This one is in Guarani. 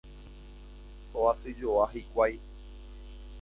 Hovasyjoa hikuái.